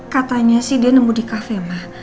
katanya sih dia nemu di kafe ma